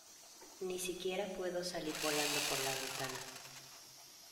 Ni siquiera puedo salir volando por la ventana.